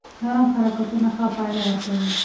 نرم حرکتونه ښه پایله ورکوي.